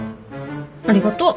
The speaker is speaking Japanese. ありがとう。